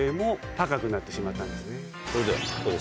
それではここで。